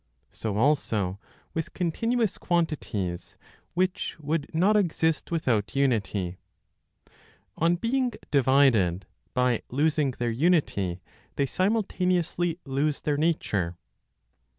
So also with continuous quantities which would not exist without unity. On being divided by losing their unity, they simultaneously lose their nature.